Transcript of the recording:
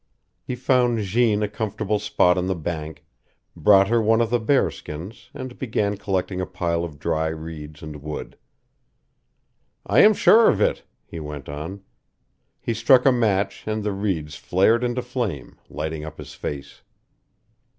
He found Jeanne a comfortable spot on the bank, brought her one of the bearskins, and began collecting a pile of dry reeds and wood. "I am sure of it," he went on. He struck a match, and the reeds flared into flame, lighting up his face.